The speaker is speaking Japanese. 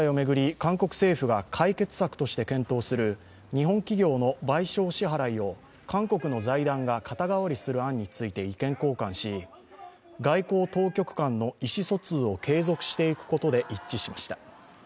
韓国政府が解決策として検討する日本企業の賠償支払いを韓国の財団が肩代わりする案について意見交換し、外交当局間の意思疎通を継続していくことで一致しました。